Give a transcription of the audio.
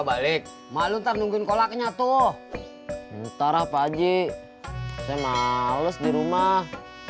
balik malu nungguin kolaknya tuh ntar apa aja saya males di rumah